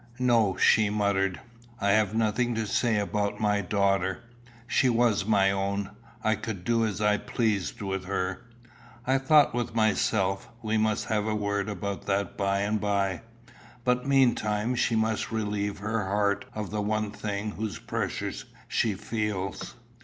"No," she muttered. "I have nothing to say about my daughter. She was my own. I could do as I pleased with her." I thought with myself, we must have a word about that by and by, but meantime she must relieve her heart of the one thing whose pressure she feels.